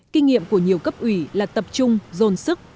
kinh nghiệm của nhiều cấp ủy là tập trung dồn sức